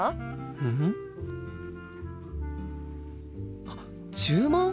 うん？あっ注文？